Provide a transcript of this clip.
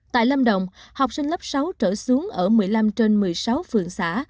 tại lâm đồng học sinh lớp sáu trở xuống ở một mươi năm trên một mươi sáu phường xã